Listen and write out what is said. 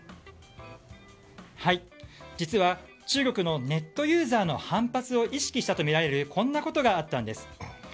実は、中国のネットユーザーの反発を意識したとみられるこんなことがあったんです。